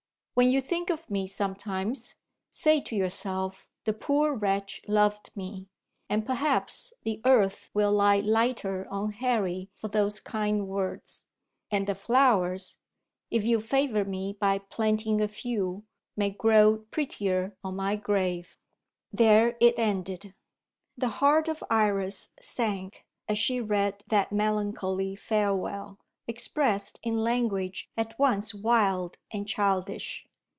When you think of me sometimes, say to yourself the poor wretch loved me and perhaps the earth will lie lighter on Harry for those kind words, and the flowers (if you favour me by planting a few) may grow prettier on my grave." There it ended. The heart of Iris sank as she read that melancholy farewell, expressed in language at once wild and childish.